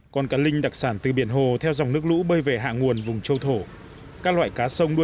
con cá linh đặc sản từ biển hồ theo dòng nước lũ bơi về hạ nguồn vùng châu thổ các loại cá sông đua